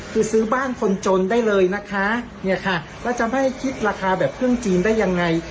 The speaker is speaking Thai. คือซื้อบ้านคนจนได้เลยนะคะเนี่ยค่ะแล้วจะไม่ให้คิดราคาแบบเครื่องจีนได้ยังไง